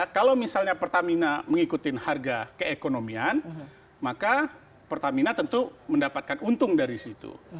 kalau misalnya pertamina mengikuti harga keekonomian maka pertamina tentu mendapatkan untung dari situ